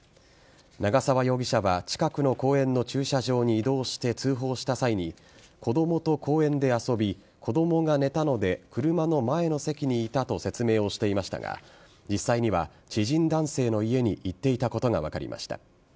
長沢容疑者は近くの公園の駐車場に移動して通報した際に子供と公園で遊び子供が寝たので車の前の席にいたと説明していましたが実際には知人男性の家に行っていたことが分かりました。